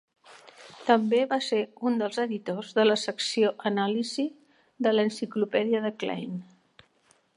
També va ser un dels editors de la secció "Anàlisi" de l'Enciclopèdia de Klein.